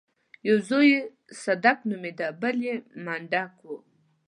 يو زوی يې صدک نومېده بل يې منډک و.